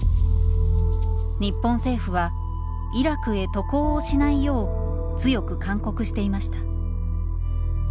日本政府はイラクへ渡航をしないよう強く勧告していました。